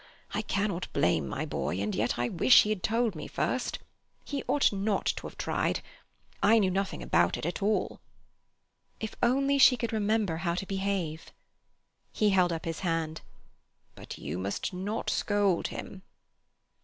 I cannot blame my boy, and yet I wish he had told me first. He ought not to have tried. I knew nothing about it at all." If only she could remember how to behave! He held up his hand. "But you must not scold him."